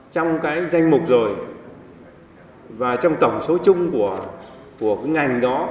trong cái danh mục rồi và trong tổng số chung của cái ngành đó